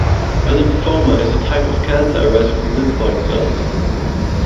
A lymphoma is a type of cancer arising from lymphoid cells.